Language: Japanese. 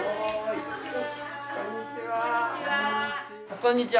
こんにちは。